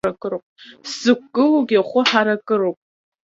Сзықәгылоугьы хәы ҳаракыроуп.